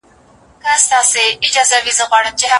هورمون بدلونونه د ژور خپګان سبب کېدی شي.